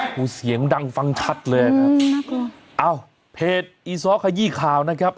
กูเสียงดังฟังชัดเลยนะครับอ้าวเพจอีซอสขยี้ข่าวนะครับ